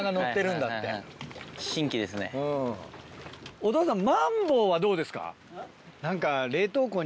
お父さん。